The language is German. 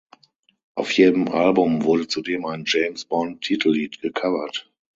Auf jedem Album wurde zudem ein James-Bond-Titellied gecovert.